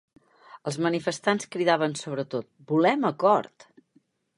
Els manifestants cridaven, sobretot, ‘volem acord’.